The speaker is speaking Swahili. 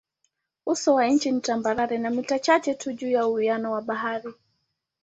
Uso wa nchi ni tambarare na mita chache tu juu ya uwiano wa bahari.